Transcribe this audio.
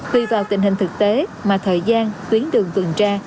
tùy vào tình hình thực tế mà thời gian tuyến đường tuần tra